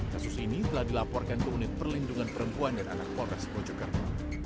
kasus ini telah dilaporkan ke unit perlindungan perempuan dan anak polres mojokerto